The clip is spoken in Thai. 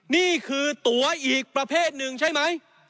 นี่คือตัวอีกประเภทหนึ่งใช่ไหม